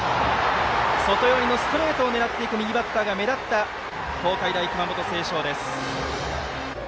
外寄りのストレートを狙っていく右バッターが目立った東海大熊本星翔です。